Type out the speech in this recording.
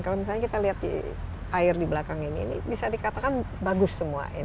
kalau misalnya kita lihat di air di belakang ini ini bisa dikatakan bagus semua ini